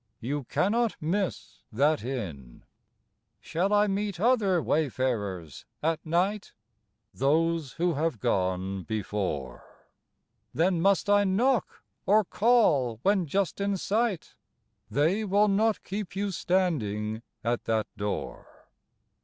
You cannot miss that inn. Shall I meet other wayfarers at night? Those who have gone before. Then must I knock, or call when just in sight? They will not keep you standing at that door.